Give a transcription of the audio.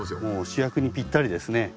主役にぴったりですね。